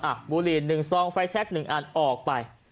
อ่ะบูรีน๑ซองไฟแท็ก๑อันออกไป